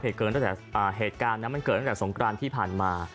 เหตุการณ์ตั้งแต่เหตุการณ์นะมันเกิดตั้งแต่สงกรรณ์ที่ผ่านมา